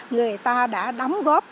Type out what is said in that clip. người ta đã đóng góp